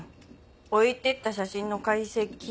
置いていった写真の解析。